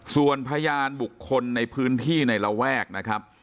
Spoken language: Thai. ส่วนพยานบุคคลในพื้นที่ในระแวกนะครับ